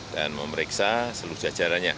dan memeriksa seluruh jajarannya